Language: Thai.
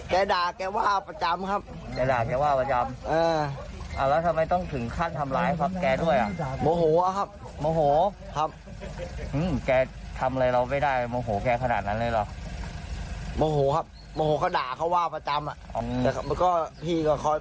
ทำไมต้องถึงขั้นทำร้ายของแกด้วย